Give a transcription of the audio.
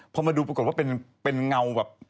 พอมาดูปรากฏว่าเป็นเงาแบบ